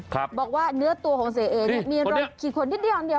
ครับบอกว่าเนื้อตัวของเสียเอนี่มีรถขีดขนติดอันเดียว